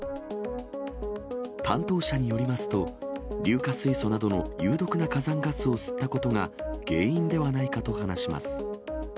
担当者によりますと、硫化水素などの有毒な火山ガスを吸ったことが、原因ではないかと話します。